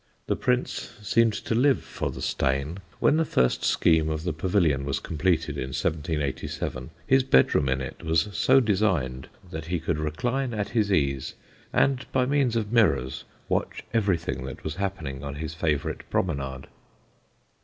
The Prince seemed to live for the Steyne. When the first scheme of the Pavilion was completed, in 1787, his bedroom in it was so designed that he could recline at his ease and by means of mirrors watch everything that was happening on his favourite promenade.